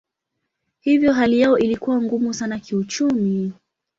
Hivyo hali yao ilikuwa ngumu sana kiuchumi.